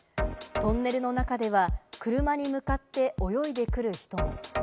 トンネルの中では、車に向かって泳いでくる人も。